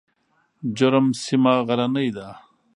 جرم سیمه غرنۍ ده؟